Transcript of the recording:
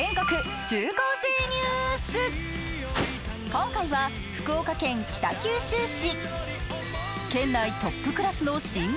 今回は福岡県北九州市。